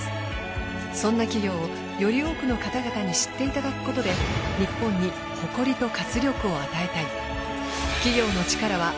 そんな企業をより多くの方々に知っていただくことで日本に誇りと活力を与えたい。